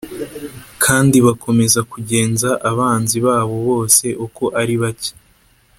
kandi bakomeza kugenza abanzi babo bose uko ari bake